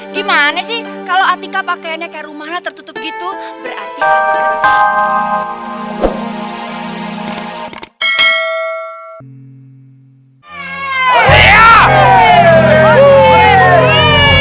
gimana sih kalau atika pakaiannya kayak rumahnya tertutup gitu berarti